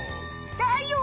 だよ。